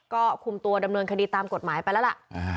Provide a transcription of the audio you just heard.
ก็คุมตัวดำเนินคดีตามกฎหมายไปแล้วล่ะ